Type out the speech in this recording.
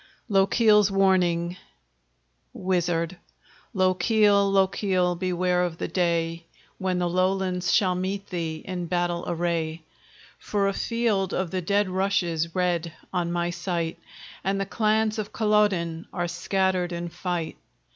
LOCHIEL'S WARNING WIZARD Lochiel, Lochiel! beware of the day When the Lowlands shall meet thee in battle array! For a field of the dead rushes red on my sight, And the clans of Culloden are scattered in fight.